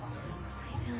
大丈夫？